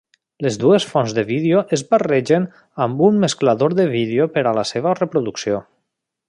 Les dues fonts de vídeo es barregen amb un mesclador de vídeo per a la seva reproducció.